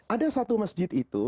ada satu masjid itu